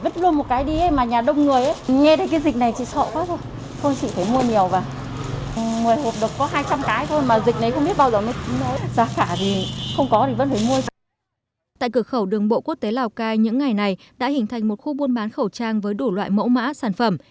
tại cửa khẩu đường bộ quốc tế lào cai những ngày này đã hình thành một khu buôn bán khẩu trang với đủ loại mẫu mã sản phẩm